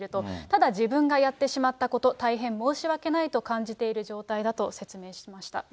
ただ、自分がやってしまったこと、大変申し訳ないと感じている状態だと説明しました。